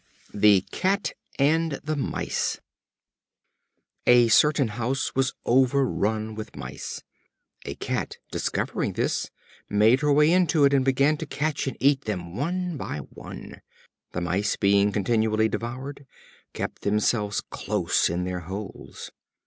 The Cat and the Mice. A certain house was overrun with Mice. A Cat, discovering this, made her way into it, and began to catch and eat them one by one. The Mice, being continually devoured, kept themselves close in their holes.